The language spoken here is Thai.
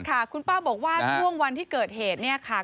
ค่ะคุณป้าบอกว่าช่วงวันที่เกิดเหตุเนี่ยค่ะ